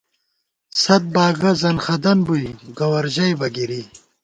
ست باگہ زنخدن بُوئی گوَر ژئیبہ گِری